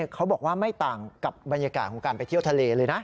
เขาบอกว่าไม่ต่างกับบรรยากาศของการไปเที่ยวทะเลเลยนะ